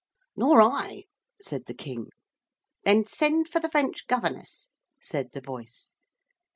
'Nor I,' said the King. 'Then send for the French governess,' said the voice.